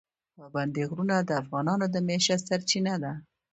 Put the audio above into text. پابندی غرونه د افغانانو د معیشت سرچینه ده.